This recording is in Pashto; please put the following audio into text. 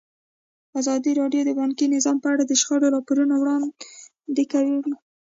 ازادي راډیو د بانکي نظام په اړه د شخړو راپورونه وړاندې کړي.